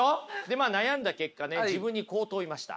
まあ悩んだ結果ね自分にこう問いました。